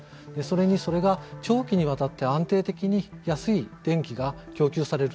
それが長期にわたって安定的に安い電気が供給される。